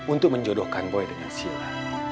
untuk menjodohkan boy dengan sila